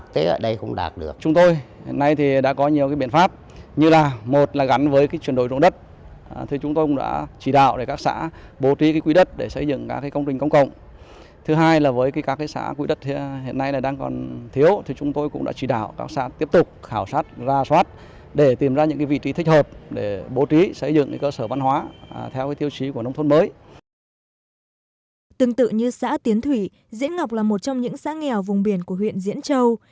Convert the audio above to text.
tương tự như xã tiến thủy diễn ngọc là một trong những xã nghèo vùng biển của huyện diễn châu